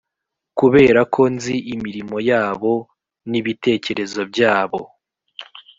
Kubera ko nzi imirimo yabo w n ibitekerezo byabo